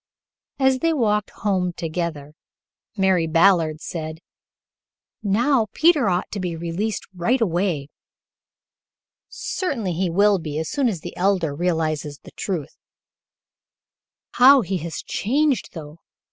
As they walked home together Mary Ballard said, "Now, Peter ought to be released right away." "Certainly he will be as soon as the Elder realizes the truth." "How he has changed, though!